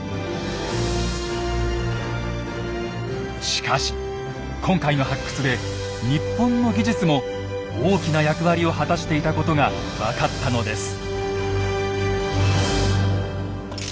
しかし今回の発掘で日本の技術も大きな役割を果たしていたことが分かったのです。